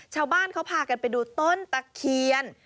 ชาวบ้านเขาพากันไปดูต้นตะเคียน